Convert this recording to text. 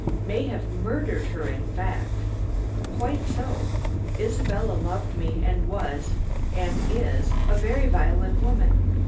"May have murdered her in fact." "Quite so. Isabella loved me, and was, and is, a very violent woman.